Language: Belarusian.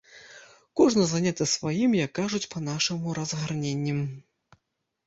Кожны заняты сваім, як кажуць па-нашаму, разгарненнем.